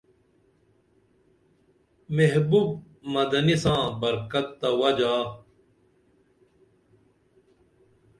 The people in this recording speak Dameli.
محبوب مدنی ساں برکت تہ وجا